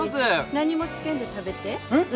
何もつけんで食べて。